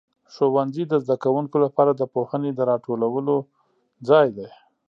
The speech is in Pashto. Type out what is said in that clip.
ښوونځي د زده کوونکو لپاره د پوهنې د راټولو ځای دی.